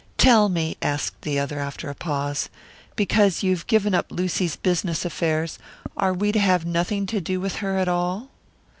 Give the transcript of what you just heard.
"Tell me," asked the other, after a pause, "because you've given up Lucy's business affairs, are we to have nothing to do with her at all?"